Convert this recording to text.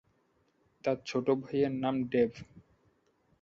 তার ছোট ভাইয়ের নাম ডেভ।